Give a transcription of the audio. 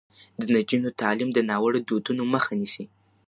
د نجونو تعلیم د ناوړه دودونو مخه نیسي.